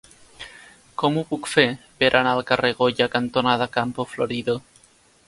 Com ho puc fer per anar al carrer Goya cantonada Campo Florido?